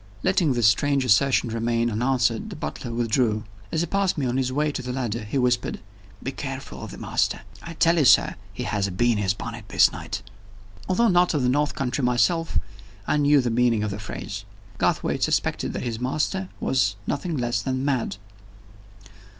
Letting this strange assertion remain unanswered, the butler withdrew. As he passed me on his way to the ladder, he whispered: "Be careful of the master! I tell you, sir, he has a bee in his bonnet this night." Although not of the north country myself, I knew the meaning of the phrase. Garthwaite suspected that the master was nothing less than mad!